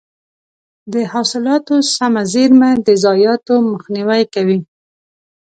د حاصلاتو سمه زېرمه د ضایعاتو مخنیوی کوي.